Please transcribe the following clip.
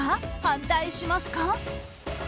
反対しますか？